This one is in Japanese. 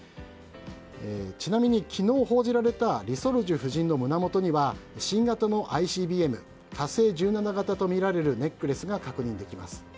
ちなみに昨日報じられたリ・ソルジュ夫人の胸元には、新型のＩＣＢＭ「火星１７型」とみられるネックレスが確認できます。